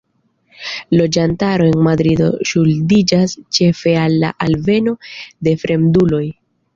Loĝantaro en Madrido ŝuldiĝas ĉefe al la alveno de fremduloj.